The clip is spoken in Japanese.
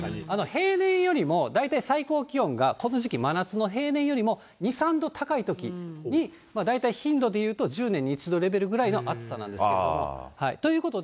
平年よりも大体最高気温がこの時期、真夏の平年よりも２、３度高いときに、大体頻度でいうと１０年に一度レベルぐらいの暑さなんですけれども。ということで。